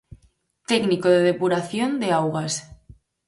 Técnico de depuración de augas.